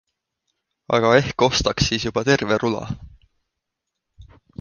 Aga ehk ostaks siis juba terve rula?